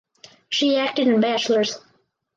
She acted in "Bachelors".